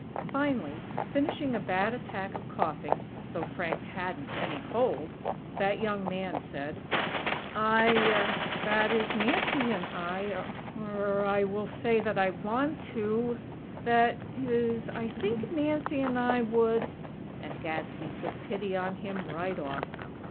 Finally, finishing a bad attack of coughing, (though Frank hadn't any cold!), that young man said: "I, that is, Nancy and I, or, I will say that I want to, that is, I think Nancy and I would " and Gadsby took pity on him, right off.